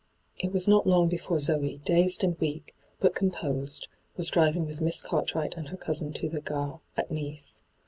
It was not long before Zoe, dazed and weak, but composed, was driving with Miss Cartwright and her cousin to the gare at Nice.